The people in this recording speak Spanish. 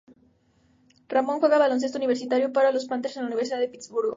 Ramón jugó baloncesto universitario para los Panthers de la Universidad de Pittsburgh.